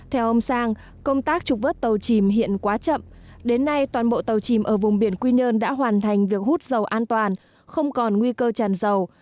theo ông sang công tác trục vớt tàu chìm hiện quá chậm đến nay toàn bộ tàu chìm ở vùng biển quy nhơn đã hoàn thành việc hút dầu an toàn không còn nguy cơ tràn dầu